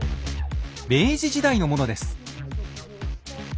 明治時代のものです。